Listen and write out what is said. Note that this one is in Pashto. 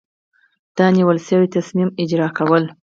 د نیول شوي تصمیم اجرا کول.